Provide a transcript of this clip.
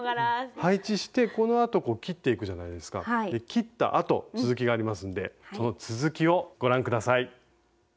切ったあと続きがありますんでその続きをご覧下さい。